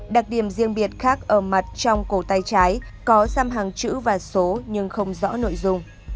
đặc điểm riêng biệt khác ở mặt trong cổ tay trái có giam hàng chữ và số nhưng không rõ nội dung